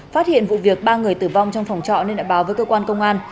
phát hiện vụ việc ba người tử vong trong phòng trọ nên đã báo với cơ quan công an